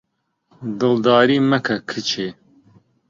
دڵداری مەکە کچێ